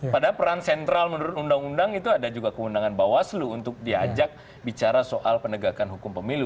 padahal peran sentral menurut undang undang itu ada juga keundangan bawaslu untuk diajak bicara soal penegakan hukum pemilu